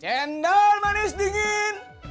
cendol manis dingin